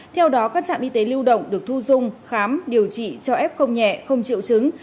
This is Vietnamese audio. theo đó các trạm y tế lưu động được thu dung khám điều trị cho f không nhẹ không chịu chứng